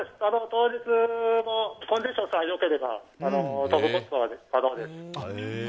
当日のコンディションさえ良ければ飛ぶことは可能です。